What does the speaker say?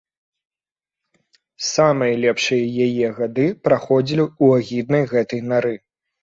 Самыя лепшыя яе гады праходзілі ў агіднай гэтай нары.